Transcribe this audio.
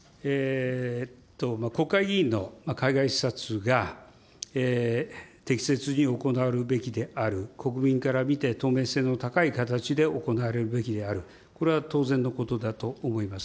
国会議員の海外視察が、適切に行われるべきである、国民から見て、透明性の高い形で行われるべきである、これは当然のことだと思います。